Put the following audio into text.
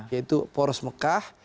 yaitu poros mekah